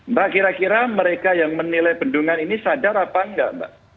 mbak kira kira mereka yang menilai bendungan ini sadar apa enggak mbak